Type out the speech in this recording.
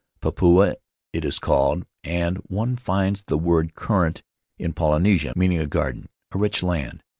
Papua it is called, and one finds the word current in Polynesia, meaning a garden, a rich land.